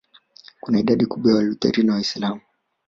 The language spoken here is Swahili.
kuna idadi kubwa ya Walutheri na Waislamu